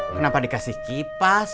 kenapa dikasih kipas